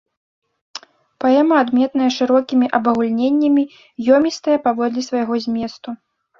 Паэма адметная шырокімі абагульненнямі, ёмістая паводле свайго зместу.